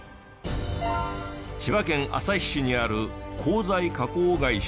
千葉県旭市にある鋼材加工会社。